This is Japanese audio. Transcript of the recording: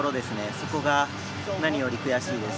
そこが何より悔しいです。